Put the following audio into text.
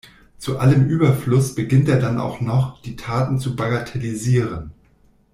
Zu allem Überfluss beginnt er dann auch noch, die Taten zu bagatellisieren.